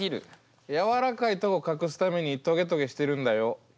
「やわらかいとこ隠すためにトゲトゲしてるんだよＵＮＩ